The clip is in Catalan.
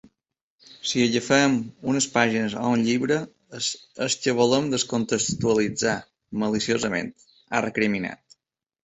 Si agafem unes pàgines o un llibre és que volem descontextualitzar maliciosament, ha recriminat.